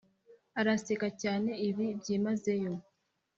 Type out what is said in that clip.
Araseka cyane ibi byimazeyo